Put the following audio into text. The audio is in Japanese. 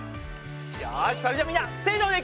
よしそれではみんなせのでいくよ！